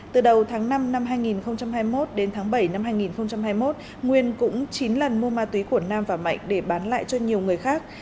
từ đầu tháng năm năm hai nghìn hai mươi một đến tháng bảy năm hai nghìn hai mươi một nguyên cũng chín lần mua ma túy của nam và mạnh để bán lại cho nhiều người khác